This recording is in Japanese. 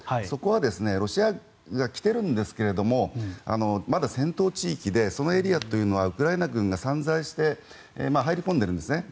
そこはロシアが来てるんですけどまだ戦闘地域でそのエリアというのはウクライナ軍が散在して入り込んでいるんです。